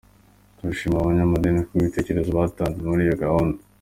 Turanashimira abanyamadini ku bw’ ibitekerezo batanze muri iyo gahunda”.